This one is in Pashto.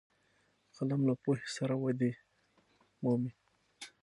قلم له پوهې سره ودې مومي